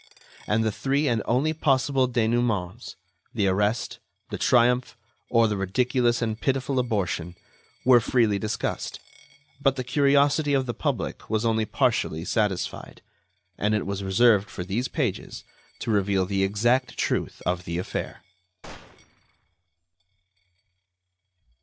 And the three and only possible dénouements—the arrest, the triumph, or the ridiculous and pitiful abortion—were freely discussed; but the curiosity of the public was only partially satisfied, and it was reserved for these pages to reveal the exact truth of the affair.